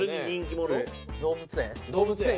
動物園？